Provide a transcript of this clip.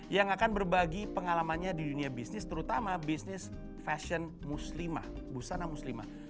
yang akan berbagi pengalamannya di dunia bisnis terutama bisnis fashion muslimah busana muslimah